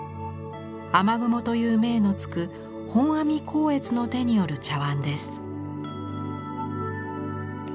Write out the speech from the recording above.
「雨雲」という銘の付く本阿弥光悦の手による茶碗です。